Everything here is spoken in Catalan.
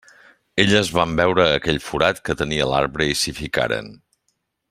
Elles van veure aquell forat que tenia l'arbre i s'hi ficaren.